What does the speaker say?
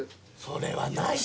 それはない。